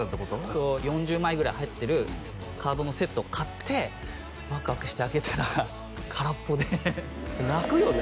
そう４０枚ぐらい入ってるカードのセットを買ってワクワクして開けたら空っぽでそれ泣くよね